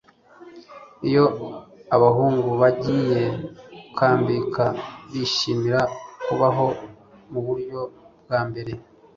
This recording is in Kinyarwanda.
iyo abahungu bagiye gukambika, bishimira kubaho muburyo bwambere